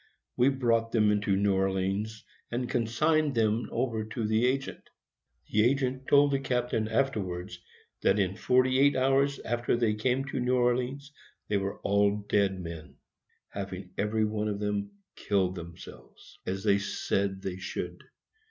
We brought them into New Orleans, and consigned them over to the agent. The agent told the captain afterwards that in forty eight hours after they came to New Orleans they were all dead men, having every one killed themselves, as they said they should.